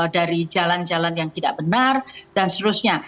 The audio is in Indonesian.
dari jalan jalan yang tidak benar dan seterusnya